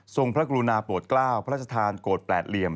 พระกรุณาโปรดกล้าวพระราชทานโกรธแปดเหลี่ยม